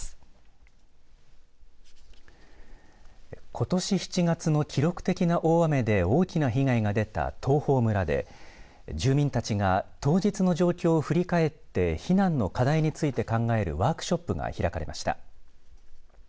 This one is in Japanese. ことし７月の記録的な大雨で大きな被害が出た東峰村で住民たちが当日の状況を振り返って避難の課題について考えるワークショップが開かれました。